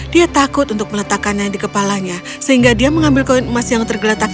dia takut untuk meletakkan yang dikepalanya sehingga dia mengambil kering smile terletak